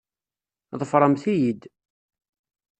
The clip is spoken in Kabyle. Ḍefremt-iyi-d!